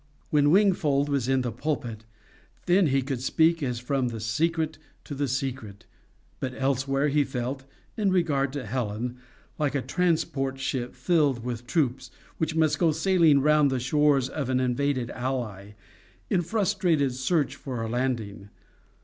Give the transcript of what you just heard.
When Wingfold was in the pulpit, then, he could speak as from the secret to the secret; but elsewhere he felt, in regard to Helen, like a transport ship filled with troops, which must go sailing around the shores of an invaded ally, in frustrate search for a landing.